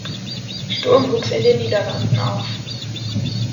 Sturm wuchs in den Niederlanden auf.